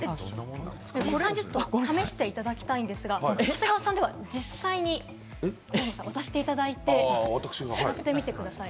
実際ちょっと試していただきたいんですが、長谷川さん、実際に渡していただいて、やってみてください。